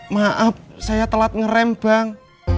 maaf saya telat ngerem bang